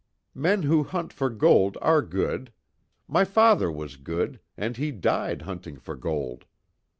"Men who hunt for gold are good. My father was good, and he died hunting for gold.